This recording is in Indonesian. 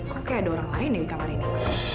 kok kayak ada orang lain nih di kamar ini